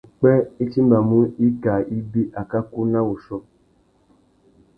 Upwê i timbamú wikā ibi, akakú na wuchiô.